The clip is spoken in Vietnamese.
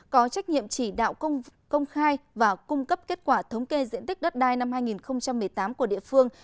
có trách nhiệm chỉ đạo công khai và cung cấp kết quả thống kê diện tích đất đai năm hai nghìn một mươi tám của địa phương